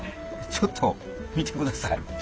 ちょっと見てください。